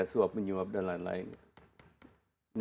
suap menyuap dan lain lain